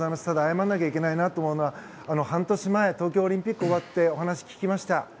ただ、謝らなきゃいけないなと思うのは半年前、東京オリンピックが終わってお話を聞きました。